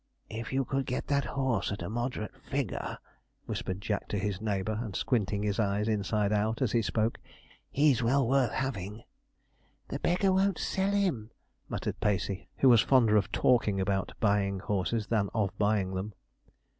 'If you could get that horse at a moderate figure,' whispered Jack to his neighbour, and squinting his eyes inside out as he spoke, 'he's well worth having.' 'The beggar won't sell him,' muttered Pacey, who was fonder of talking about buying horses than of buying them.